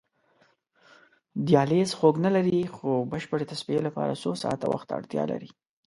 دیالیز خوږ نه لري خو بشپړې تصفیې لپاره څو ساعته وخت ته اړتیا لري.